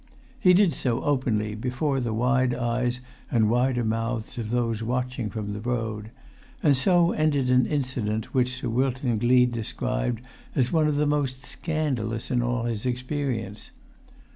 He did so openly before the wide eyes and wider mouths of those watching from the road; and so ended an incident which Sir Wilton Gleed described as one of the most scandalous in all his experience.